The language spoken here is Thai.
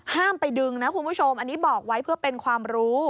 ไปดึงนะคุณผู้ชมอันนี้บอกไว้เพื่อเป็นความรู้